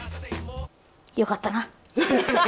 よかったな。